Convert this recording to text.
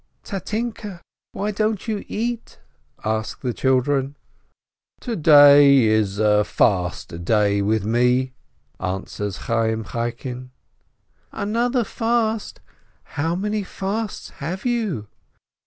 "Tatinke, why don't you eat?" ask the children. "To day is a fast day with me," answers Chayyim Chaikin. "Another fast? How many fasts have you?"